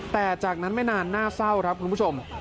แต่จากนั้นไม่นานน่าเศร้าครับคุณผู้ชม